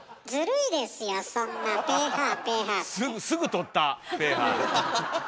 すぐとった！